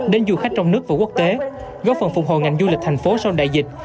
đến du khách trong nước và quốc tế góp phần phục hồi ngành du lịch thành phố sau đại dịch